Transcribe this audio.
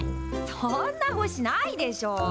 そんな星ないでしょ。